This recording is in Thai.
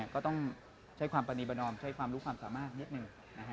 ก็ต้องใช้ความประนีประนอมใช้ความรู้ความสามารถนิดหนึ่ง